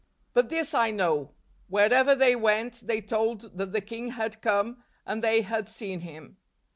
But this I know; wherever they went, they told that the King had come, and they had seen Him.